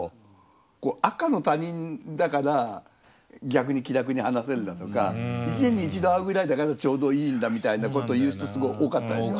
こう赤の他人だから逆に気楽に話せるだとか一年に一度会うぐらいだからちょうどいいんだみたいなことを言う人すごい多かったでしょ。